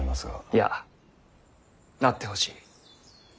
いやなってほしい。